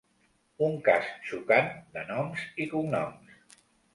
Un cas xocant de gnoms i cognoms.